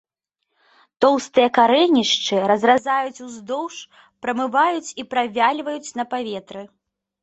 Тоўстыя карэнішчы разразаюць уздоўж, прамываюць і правяльваюць на паветры.